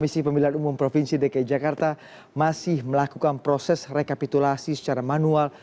komisi pemilihan umum provinsi dki jakarta masih melakukan proses rekapitulasi secara manual